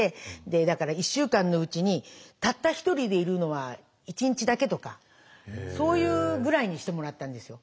だから１週間のうちにたった一人でいるのは１日だけとかそういうぐらいにしてもらったんですよ。